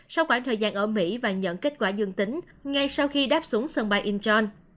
sau khoảng thời gian ở mỹ và nhận kết quả dương tính ngay sau khi đáp xuống sân bay incheon